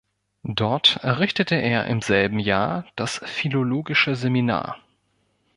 Dort errichtete er im selben Jahr das Philologische Seminar.